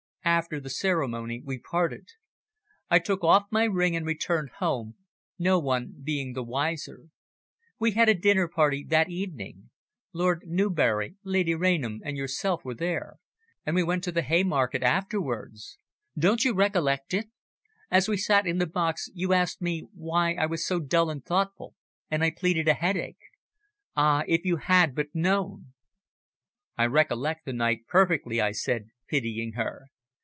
After the ceremony we parted. I took off my ring and returned home, no one being the wiser. We had a dinner party that evening. Lord Newborough, Lady Rainham and yourself were there, and we went to the Haymarket afterwards. Don't you recollect it? As we sat in the box you asked me why I was so dull and thoughtful, and I pleaded a headache. Ah! if you had but known!" "I recollect the night perfectly," I said, pitying her.